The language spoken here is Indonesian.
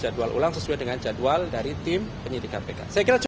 jadi jadwal ulang sesuai dengan jadwal dari tim penyidikan pk